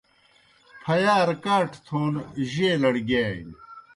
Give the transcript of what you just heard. پھیارہ کاٹھہ تھون جیلڑ گِیانیْ۔